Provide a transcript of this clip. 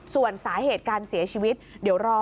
ส่วนสาเหตุการเสียชีวิตเดี๋ยวรอ